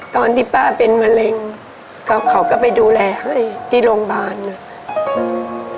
ตอนที่ป้าเป็นมะเร็งก็เขาก็ไปดูแลให้ที่โรงพยาบาลน่ะอืม